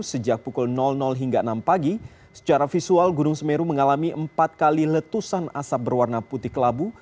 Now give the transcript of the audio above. sejak pukul hingga enam pagi secara visual gunung semeru mengalami empat kali letusan asap berwarna putih kelabu